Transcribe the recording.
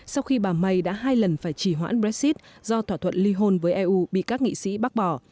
sau khi bà may đã hai lần phải trì hoãn brexit do thỏa thuận ly hôn với eu bị các nghị sĩ bác bỏ